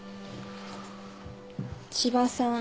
千葉さん